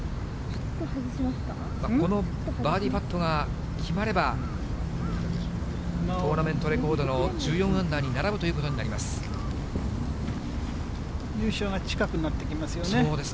このバーディーパットが決まれば、トーナメントレコードの１４アンダーに並ぶということになります。